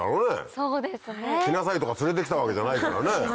そうですね。来なさい！とか連れて来たわけじゃないからね。